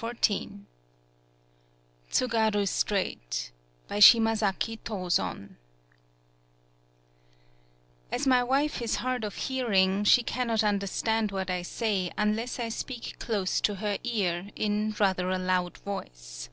131 TSUGARU STRAIT TSUGARU STRAIT BY SHIMAZAKI TOSON AS my wife is hard of hearing, she cannot understand what I say un less I speak close to her ear, in rather a loud voice.